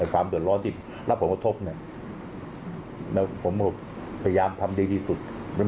ความเดือดร้อนที่รับผลกระทบเนี่ยแล้วผมก็พยายามทำดีที่สุด